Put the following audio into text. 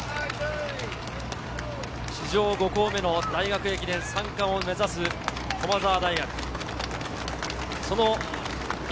史上５校目の大学駅伝３冠を目指す駒澤大学。